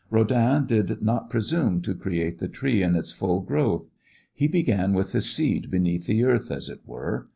Rodin did not presume to create the tree in its full growth. He began with the seed beneath the earth, as it were.